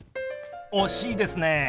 惜しいですね。